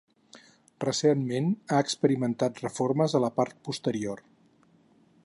Recentment ha experimentat reformes a la part posterior.